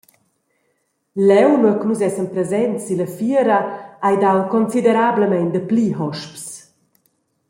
«Leu nua che nus essan presents silla fiera ha ei dau considerablamein dapli hosps.»